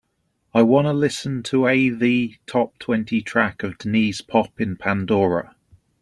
i wanna listen to a the top-twenty track of Denniz Pop in Pandora